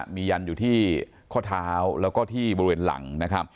มียันอยู่ที่ข้อเท้าแล้วก็ที่บริเวณหลังนะครับ